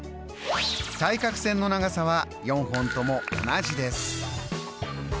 対角線の長さは４本とも同じです。